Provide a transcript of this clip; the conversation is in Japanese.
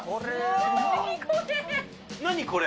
何これ。